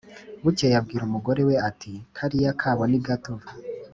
bukeye abwira umugore we ati: "kariya kobo ni gato